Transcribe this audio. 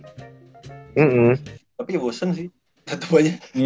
tapi ya bosen sih